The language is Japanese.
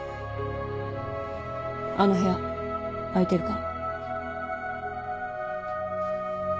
あの部屋空いてるから。